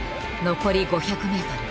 「残り５００ｍ。